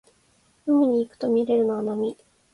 海に行くとみれるのは波